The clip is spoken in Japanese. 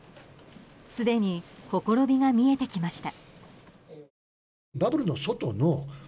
すでにほころびが見えてきました。